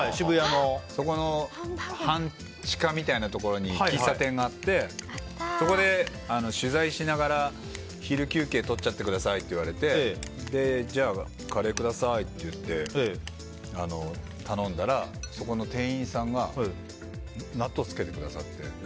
そこの半地下みたいなところに喫茶店があってそこで、取材しながら昼休憩とっちゃってくださいって言われてじゃあ、カレーくださいって言って頼んだらそこの店員さんが納豆つけてくださって。